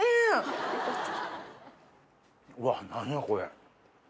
うわっ何やこれ。